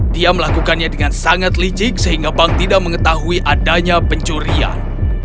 dia melakukannya dengan sangat lijik sehingga bank tidak mengetahui adanya pencurian